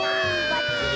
ばっちり。